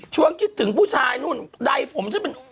คิดถึงผู้ชายนู่นใดผมฉันเป็น